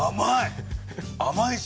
甘い！